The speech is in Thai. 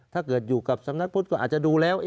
ถ้าเกิดอยู่กับสำนักพุทธก็อาจจะดูแล้ว